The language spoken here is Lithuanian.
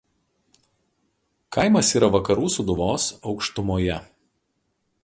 Kaimas yra Vakarų Sūduvos aukštumoje.